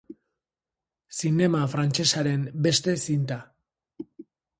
Zinema frantsesaren beste zinta.